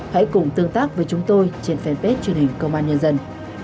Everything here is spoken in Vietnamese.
hãy cùng tương tác với chúng tôi trên fanpage truyền hình công an nhân dân